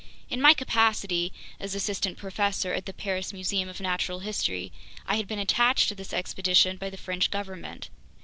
In my capacity as Assistant Professor at the Paris Museum of Natural History, I had been attached to this expedition by the French government.